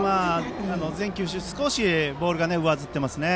全球種、少しボールが上ずっていますね。